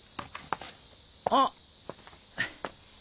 あっ！